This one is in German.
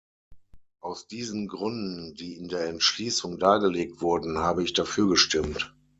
Aus diesen Gründen, die in der Entschließung dargelegt wurden, habe ich dafür gestimmt.